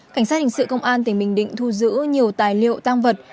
cảnh sát hình sự công an tỉnh bình định thu giữ nhiều tài liệu tăng vật